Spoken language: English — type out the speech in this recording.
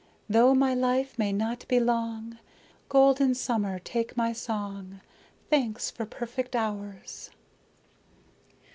Though my life may not be long, Golden summer, take my song! Thanks for perfect hours!